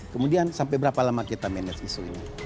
kemudian sampai berapa lama kita manage isu ini